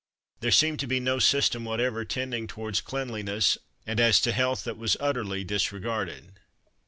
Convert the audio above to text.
There seemed to be no system whatever tending towards cleanliness, and as to health that was utterly disregarded.